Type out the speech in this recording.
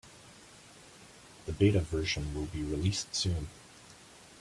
The Beta version will be released soon.